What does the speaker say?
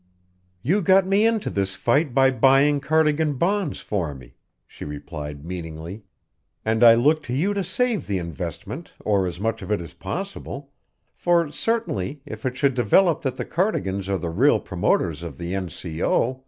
"You got me into this fight by buying Cardigan bonds for me," she replied meaningly, "and I look to you to save the investment or as much of it as possible; for certainly, if it should develop that the Cardigans are the real promoters of the N.C.O.